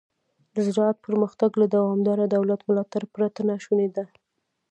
د زراعت پرمختګ له دوامداره دولت ملاتړ پرته ناشونی دی.